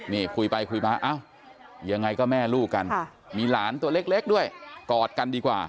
นี่คุยไปคุยมาเอ้ายังไงก็แม่ลูกกันมีหลานตัวเล็กด้วยกอดกันดีกว่า